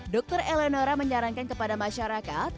dokter eleonora menyarankan kepada masyarakat